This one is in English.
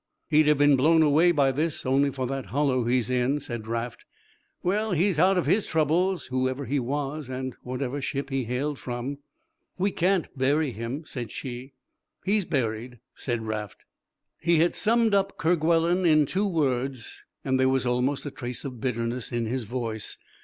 "He'd have been blown away by this only for that hollow he's in," said Raft, "well, he's out of his troubles whoever he was and whatever ship he hailed from." "We can't bury him," said she. "He's buried," said Raft. He had summed up Kerguelen in two words and there was almost a trace of bitterness in his voice.